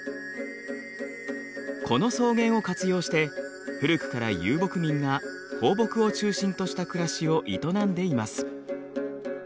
この草原を活用して古くから遊牧民が放牧を中心とした暮らしを営んでいます。